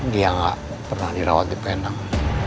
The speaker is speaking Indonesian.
dia nggak pernah dirawat di penang